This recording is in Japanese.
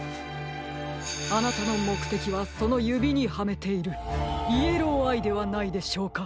あなたのもくてきはそのゆびにはめているイエローアイではないでしょうか？